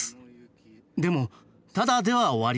でもただでは終わりません。